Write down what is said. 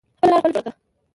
خپله لاره خپله جوړه کړی.